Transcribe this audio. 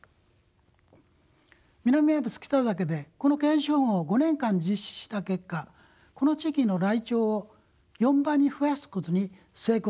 南アルプス北岳でこのケージ保護を５年間実施した結果この地域のライチョウを４倍に増やすことに成功しました。